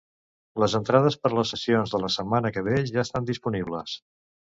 Les entrades per a les sessions de la setmana que ve ja estan disponibles.